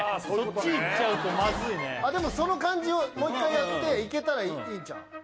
そっちいっちゃうとまずいねでもその感じをもう一回やっていけたらいいんちゃう？